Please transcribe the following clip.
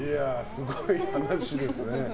すごい話ですね。